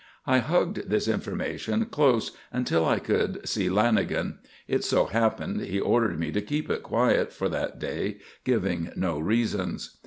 I hugged this information close until I could see Lanagan. It so happened he ordered me to keep it quiet for that day, giving no reasons.